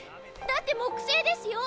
だって木星ですよ